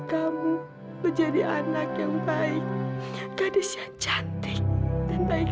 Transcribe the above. kamu menjadi anak yang baik gadisnya cantik dan baik hati